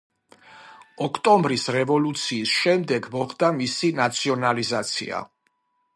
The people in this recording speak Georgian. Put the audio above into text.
ოქტომბრის რევოლუციის შემდეგ მოხდა მისი ნაციონალიზაცია.